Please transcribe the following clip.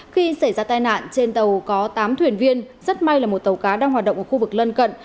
khi xảy ra tai nạn trên tàu có tám thuyền viên rất may là một tàu cá đang hoạt động ở khu vực lân cận